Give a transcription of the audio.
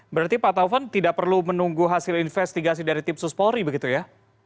berarti pak taufan tidak perlu menunggu hasil investigasi dari tim suspolri begitu ya